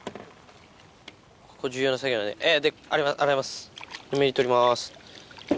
ここ重要な作業なんでえで洗います。